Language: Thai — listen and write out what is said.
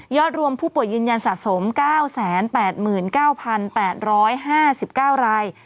รวมผู้ป่วยยืนยันสะสม๙๘๙๘๕๙ราย